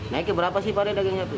naiknya berapa sih pada dagangnya